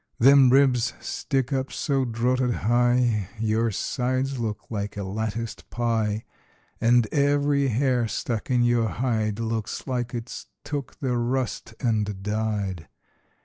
Them ribs stick up so drotted high Your sides look like a latticed pie, And every hair stuck in your hide Looks like it's took the rust and died!